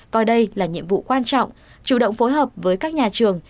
coi đây là nhiệm vụ quan trọng chủ động phối hợp với các nhà trường